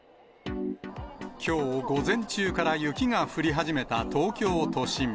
きょう、午前中から雪が降り始めた東京都心。